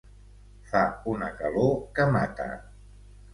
Fa una calor que mata.